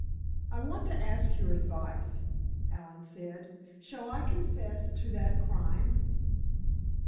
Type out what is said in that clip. "I want to ask your advice," Allen said; "shall I confess to that crime?"